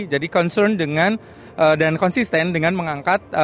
jadi concern dengan dan konsisten dengan mengangkat